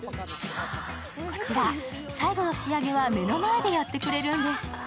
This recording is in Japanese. こちら最後の仕上げは目の前でやってくれるんです。